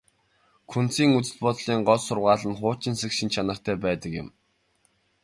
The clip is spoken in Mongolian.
Күнзийн үзэл бодлын гол сургаал нь хуучинсаг шинж чанартай байдаг юм.